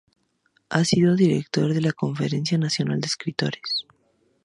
Ha sido director de la Conferencia Nacional de Escritores.